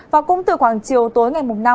và cũng từ khoảng chiều tối ngày mùng năm